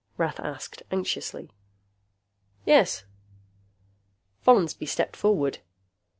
Rath asked anxiously. "Yes." Follansby stepped forward.